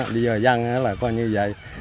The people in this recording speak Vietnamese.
bây giờ dân là coi như vậy